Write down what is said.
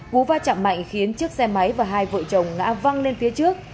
cú va chạm mạnh khiến chiếc xe máy và hai vợ chồng ngã văng lên phía trước